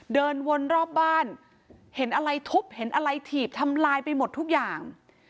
เดินวนรอบบ้านเห็นอะไรทุบเห็นอะไรถีบทำลายไปหมดทุกอย่าง